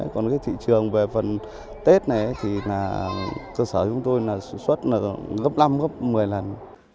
còn thị trường về phần tết này cơ sở chúng tôi xuất gấp năm gấp một mươi lần